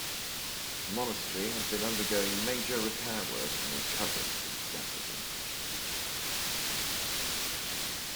The monastery had been undergoing major repair work and was covered in scaffolding.